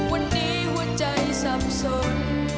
วันนี้หัวใจสับสน